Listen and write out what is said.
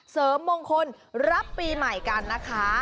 เสริมมงคลรับปีใหม่กันนะคะ